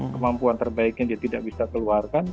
kemampuan terbaiknya dia tidak bisa keluarkan